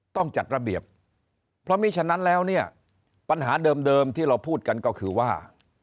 ต้องจัดระเบียบเพราะมีฉะนั้นแล้วเนี่ยปัญหาเดิมที่เราพูดกันก็คือว่า